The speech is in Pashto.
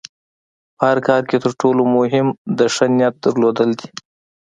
په هر کار کې د تر ټولو مهم د ښۀ نیت درلودل دي.